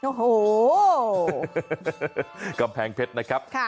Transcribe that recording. โอ้โหกำแพงเพชรนะครับ